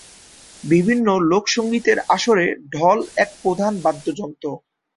বিভিন্ন লোকসঙ্গীতের আসরে ঢোল এক প্রধান বাদ্যযন্ত্র।